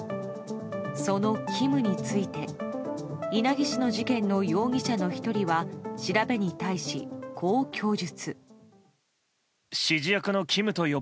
そのＫＩＭについて稲城市の事件の容疑者の１人は調べに対し、こう供述。